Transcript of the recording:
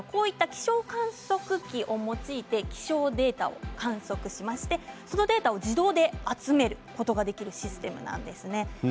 気象観測機を用いて気象データを観測しましてそのデータを自動で集めることができるシステムなんですね。